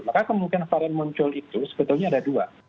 maka kemungkinan varian muncul itu sebetulnya ada dua